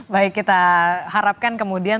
baik kita harapkan kemudian